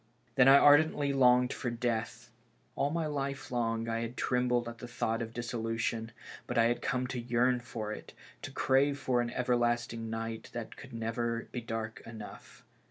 Then I ardently longed for death. All my life long I had trembled at the thought of dissolution, but I had come to yearn for it, to crave for an everlasting night that could never be dark enough.